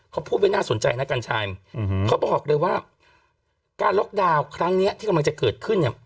เขาพูดไว้น่าสนใจนะกัญชัยเขาบอกเลยว่าการล็อกดาวน์ครั้งนี้ที่กำลังจะเกิดขึ้นเนี่ย